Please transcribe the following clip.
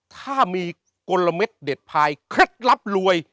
ถ้ามีกลมเด็ดพายเคล็ดลับรวย